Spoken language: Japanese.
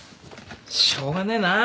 しょうがねえな。